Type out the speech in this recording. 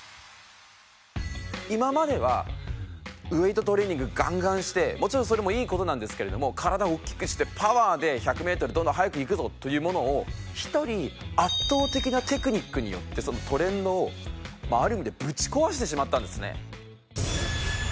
今まではウェートトレーニングガンガンしてもちろんそれもいい事なんですけれども体大きくしてパワーで１００メートルどんどん速くいくぞというものを一人圧倒的なテクニックによってそのトレンドをある意味でぶち壊してしまったんですね。